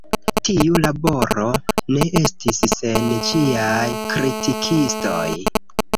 Tiu laboro ne estis sen ĝiaj kritikistoj.